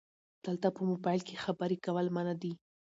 دلته په مبایل کې خبرې کول منع دي 📵